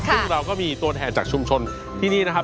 ซึ่งเราก็มีตัวแทนจากชุมชนที่นี่นะครับ